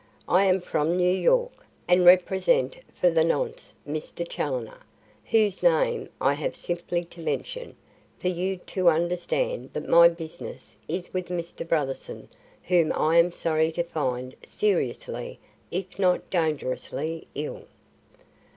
I am from New York, and represent for the nonce, Mr. Challoner, whose name I have simply to mention, for you to understand that my business is with Mr. Brotherson whom I am sorry to find seriously, if not dangerously, ill.